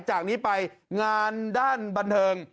จากนี้ไปงานด้านบันเทิง